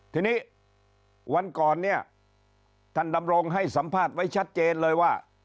ทีนี้วันก่อนเนี่ยท่านดำรงให้สัมภาษณ์ไว้ชัดเจนเลยว่า